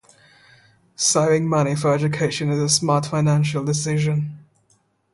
Saving money for education is a smart financial decision.